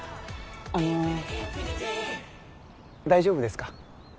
あの大丈夫ですか？